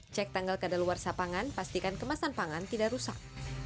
cek tanggal keadaan luar sapangan pastikan kemasan pangan tidak rusak